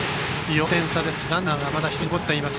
５点差です。